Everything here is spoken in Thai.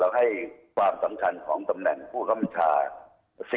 ให้ความสำคัญของตำแหน่งผู้คำชา